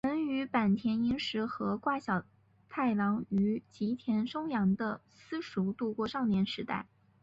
曾与坂田银时和桂小太郎于吉田松阳的私塾度过少年时代。